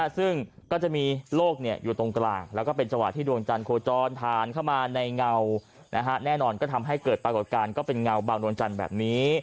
ซึ่งก็จะมีโลกอยู่ตรงกลางแล้วก็เป็นจังหวะที่ดวงจันทร์โคจรผ่านเข้ามาในเงาแน่นอนก็ทำให้เกิดปรากฏการณ์ก็เป็นเงาบางดวงจันทร์แบบนี้